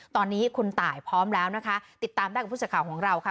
ตอนนี้คุณตายพร้อมแล้วนะคะติดตามได้กับผู้สื่อข่าวของเราค่ะ